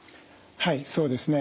はいそうですね。